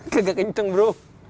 tidak kencang bro